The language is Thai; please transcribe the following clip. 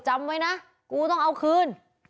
จำไว้นะกูต้องเอาคืน